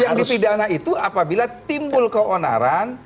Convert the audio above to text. yang dipidana itu apabila timbul keonaran